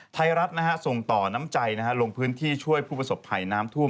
ไทยรัฐส่งต่อน้ำใจลงพื้นที่ช่วยผู้ประสบภัยน้ำท่วม